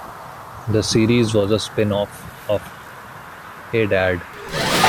The series was a spin-off of Hey Dad...!